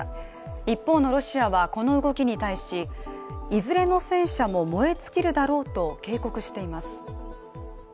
一方のロシアは、この動きに対しいずれの戦車も燃え尽きるだろうと警告しています。